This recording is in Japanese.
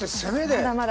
まだまだ。